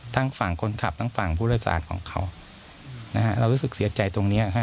ทั้งฝั่งคนขับทั้งฝั่งผู้โดยสารของเขานะฮะเรารู้สึกเสียใจตรงเนี้ยฮะ